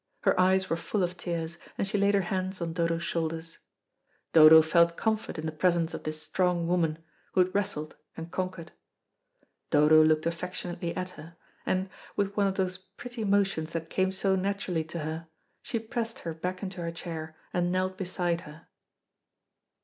Her eyes were full of tears, and she laid her hands on Dodo's shoulders. Dodo felt comfort in the presence of this strong woman, who had wrestled and conquered. Dodo looked affectionately at her, and, with one of those pretty motions that came so naturally to her, she pressed her back into her chair, and knelt beside her.